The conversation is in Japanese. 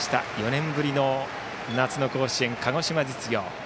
４年ぶりの夏の甲子園鹿児島実業。